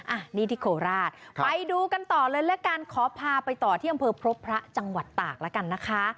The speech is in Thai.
อ่ะนี่ที่โคราชไปดูกันต่อเลยละกันขอพาไปต่อที่อำเภอพบพระจังหวัดตากแล้วกันนะคะ